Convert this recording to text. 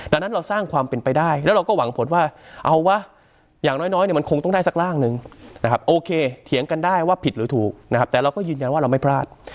ดังนั้นเราสร้างความเป็นไปได้แล้วเราก็หวังผลว่าเอาวะอย่างน้อยเนี่ยมันคงต้องได้สักร่างนึงนะครับโอเคเถียงกันได้ว่าผิดหรือถูกนะครับแต่เราก็ยืนยันว่าเราไม่พลาด